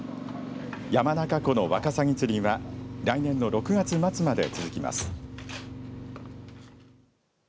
山中湖の、わかさぎ釣りは来年の６月末まで続きます。